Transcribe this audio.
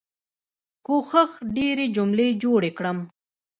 کوښښ ډيرې جملې جوړې کړم.